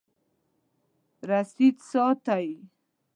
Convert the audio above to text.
رسید ساتئ؟